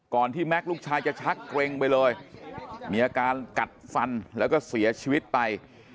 ที่แม็กซ์ลูกชายจะชักเกร็งไปเลยมีอาการกัดฟันแล้วก็เสียชีวิตไป